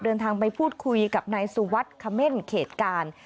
เริ่มทางไปพูดคุยกับนายสูวัดคเม่นเขตกาล